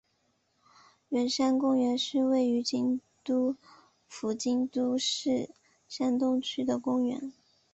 圆山公园是位在京都府京都市东山区的公园。